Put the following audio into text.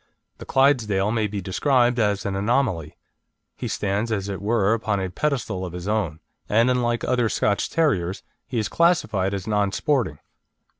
The Clydesdale may be described as an anomaly. He stands as it were upon a pedestal of his own; and unlike other Scotch terriers he is classified as non sporting.